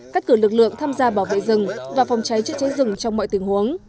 cắt cử lực lượng tham gia bảo vệ rừng và phòng cháy chữa cháy rừng trong mọi tình huống